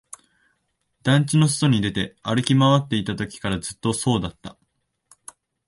団地の外に出て、歩き回っていたときからずっとそうだった